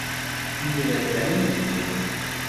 Imir-a kan ay ddiɣ.